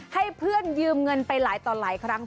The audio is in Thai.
ให้เพื่อนยืมเงินไปหลายต่อหลายครั้ง